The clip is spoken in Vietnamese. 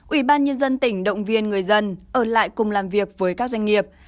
ủy ban nhân dân tỉnh động viên người dân ở lại cùng làm việc với các doanh nghiệp